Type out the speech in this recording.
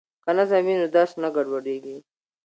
که نظم وي نو درس نه ګډوډیږي.